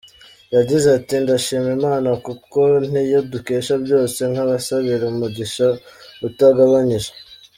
Yagize ati: “Ndashima Imana kuko niyo dukesha byose, nkabasabira umugisha utagabanyije.